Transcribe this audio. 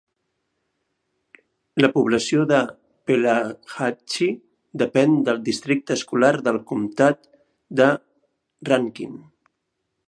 La població de Pelahatchie depèn del districte escolar del comtat de Rankin.